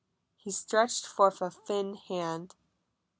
He stretched forth a thin hand.